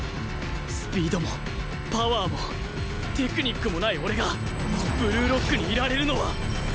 スピードもパワーもテクニックもない俺がブルーロックにいられるのは